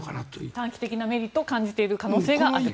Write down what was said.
短期的なメリットを感じている可能性がある。